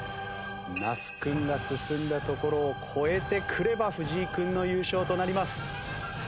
那須君が進んだところを超えてくれば藤井君の優勝となります。